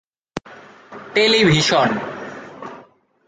television